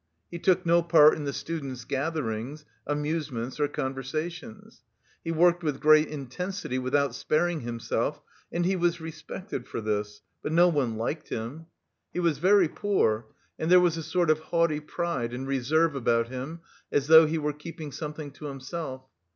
He took no part in the students' gatherings, amusements or conversations. He worked with great intensity without sparing himself, and he was respected for this, but no one liked him. He was very poor, and there was a sort of haughty pride and reserve about him, as though he were keeping something to himself.